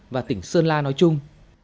và tỉnh sơn la nói chung